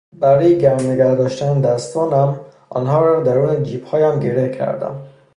برای گرم نگهداشتن دستانم، آنها را در درون جیبهایم گره کردم.